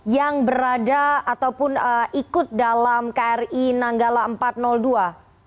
yang berada ataupun ikut dalam kri nanggala empat ratus dua